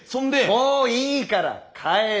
もういいから帰れ。